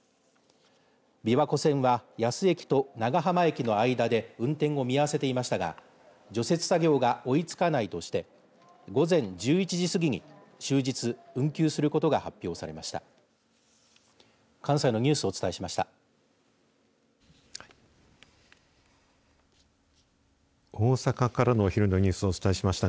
琵琶湖線は野洲駅と長浜駅の間で運転を見合わせていましたが除雪作業が追いつかないとして午前１１時すぎに終日運休することが発表されました。